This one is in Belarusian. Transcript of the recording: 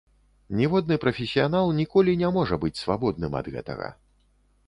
Ніводны прафесіянал ніколі не можа быць свабодным ад гэтага.